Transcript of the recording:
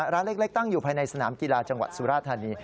ร้านเล็กตั้งอยู่ภายในสนามกีฬาจังหวัดสุราธานี